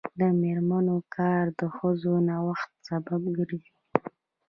د میرمنو کار د ښځو نوښت سبب ګرځي.